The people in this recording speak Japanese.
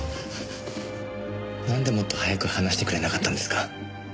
なんでもっと早く話してくれなかったんですか。